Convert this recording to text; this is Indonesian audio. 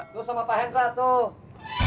terus sama pak hendra tuh